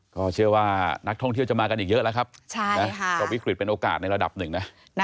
ก็เชื่อว่านักท่องเที่ยวจะมากันอีกเยอะแล้วครับก็วิกฤตเป็นโอกาสในระดับหนึ่งนะ